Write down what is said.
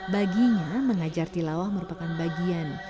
baginya mengajar tilawah merupakan bagian